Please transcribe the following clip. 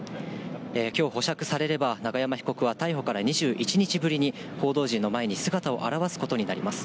きょう保釈されれば、永山被告は逮捕から２１日ぶりに報道陣の前に姿を現すことになります。